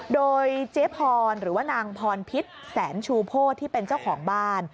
โดยเจ๊พรหรือว่านางพรพิษแสนชูโพธิที่เป็นเจ้าของบ้าน